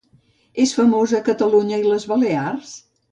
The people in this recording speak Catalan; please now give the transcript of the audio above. És famosa a Catalunya i les Balears?